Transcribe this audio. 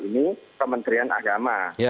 ini kementerian agama